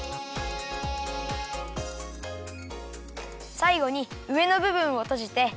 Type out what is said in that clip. さいごにうえのぶぶんをとじて。